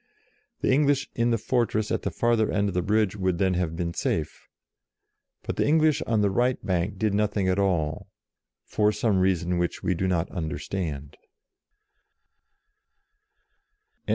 The English in the fortress at the farther end of the bridge would then have been safe. But the English on the right bank did nothing at all, for some reason which we do not understand.